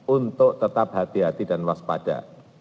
untuk tetap hati hati dan waspada